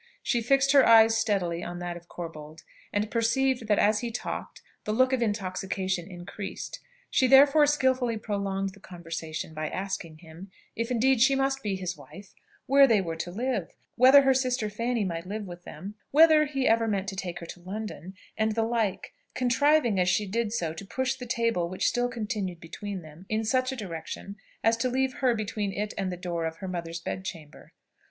She fixed her eye steadily on that of Corbold, and perceived that as he talked, the look of intoxication increased; she therefore skilfully prolonged the conversation by asking him, if indeed she must be his wife, where they were to live, whether her sister Fanny might live with them, whether he ever meant to take her to London, and the like; contriving, as she did so, to push the table, which still continued between them, in such a direction as to leave her between it and the door of her mother's bed chamber.